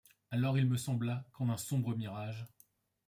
Alors il me sembla qu’en un sombre mirage